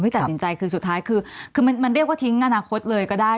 ตัดสินใจคือสุดท้ายคือมันเรียกว่าทิ้งอนาคตเลยก็ได้